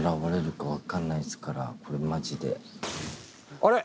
あれ？